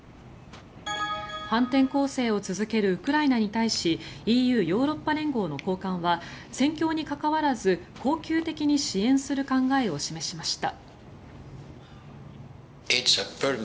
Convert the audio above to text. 反転攻勢を続けるウクライナに対しＥＵ・ヨーロッパ連合の高官は戦況にかかわらず恒久的に支援する考えを示しました。